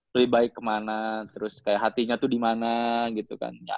pilih baik kemana terus kayak hatinya tuh dimana gitu kan